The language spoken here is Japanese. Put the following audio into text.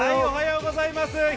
おはようございます。